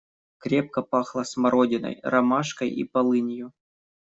Крепко пахло смородиной, ромашкой и полынью.